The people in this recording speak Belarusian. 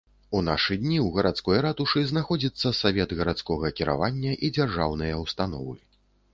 У нашы дні ў гарадской ратушы знаходзіцца савет гарадскога кіравання і дзяржаўныя ўстановы.